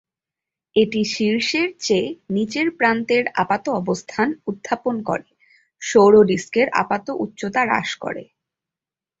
এটি শীর্ষের চেয়ে নিচের প্রান্তের আপাত অবস্থান উত্থাপন করে, সৌর ডিস্কের আপাত উচ্চতা হ্রাস করে।